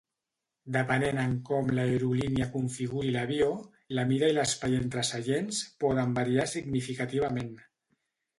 Depenent en com l'aerolínia configuri l'avió, la mida i l'espai entre seients poden variar significativament.